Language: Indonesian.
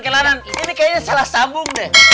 kelarangan ini kayaknya salah sambung deh